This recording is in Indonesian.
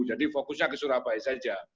jadi fokusnya ke surabaya saja